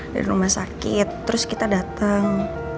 dari rumah sakit terus kita datang